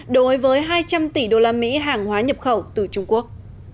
đối với hai trăm linh tỷ usd hàng hóa nhập khẩu từ trung quốc